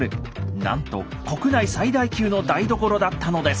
なんと国内最大級の台所だったのです。